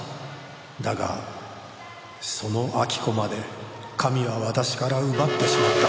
「だがその亜木子まで神は私から奪ってしまった」